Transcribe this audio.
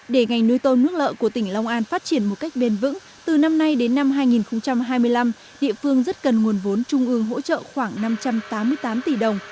để ngành nuôi tôm nước lợ của tỉnh long an phát triển một cách bền vững từ năm nay đến năm hai nghìn hai mươi năm địa phương rất cần nguồn vốn trung ương hỗ trợ khoảng năm trăm tám mươi tám tỷ đồng